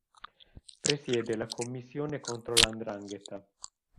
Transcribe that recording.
Presiede la Commissione contro la 'ndrangheta.